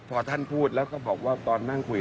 พอท่านพูดแล้วก็บอกว่าตอนนั่งคุย